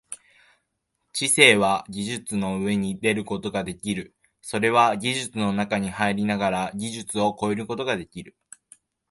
知性は技術の上に出ることができる、それは技術の中に入りながら技術を超えることができる。